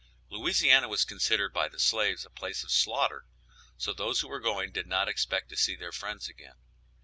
Louisiana was considered by the slaves a place of slaughter, so those who were going did not expect to see their friends again.